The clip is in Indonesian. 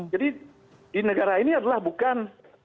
jadi di negara ini adalah bukan